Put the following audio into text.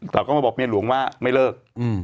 แต่ก็มาบอกเมียหลวงว่าไม่เลิก